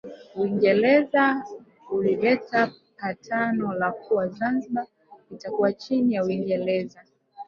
Uingereza ulileta patano la kuwa Zanzibar itakuwa chini ya Uingereza